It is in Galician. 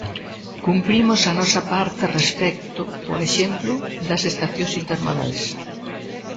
Cumprimos a nosa parte respecto, por exemplo, das estacións intermodais.